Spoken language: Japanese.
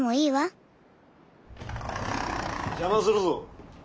邪魔するぞ。